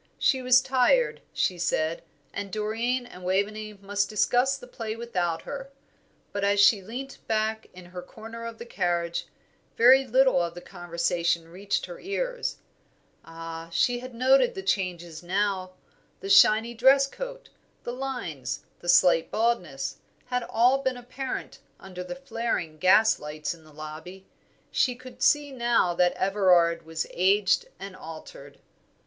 She was tired, she said, and Doreen and Waveney must discuss the play without her; but as she leant back in her corner of the carriage, very little of the conversation reached her ears. Ah, she had noted all the changes now. The shiny dress coat, the lines, the slight baldness, had all been apparent under the flaring gaslights in the lobby. She could see now that Everard was aged and altered.